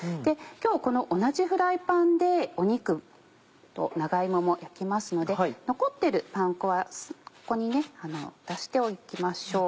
今日この同じフライパンで肉と長芋も焼きますので残ってるパン粉はここに出しておきましょう。